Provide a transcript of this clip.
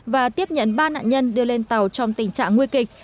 và tiếp nhận ba nạn nhân đưa lên tàu trong tình trạng nguy kịch